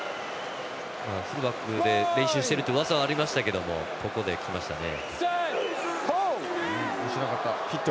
フルバックで練習しているといううわさはありましたけどここできましたね。